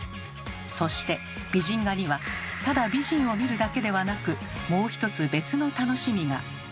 そして美人画にはただ美人を見るだけではなくもう一つ別の楽しみが。